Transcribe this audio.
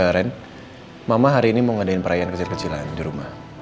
ren mama hari ini mau ngadain perayaan kecil kecilan di rumah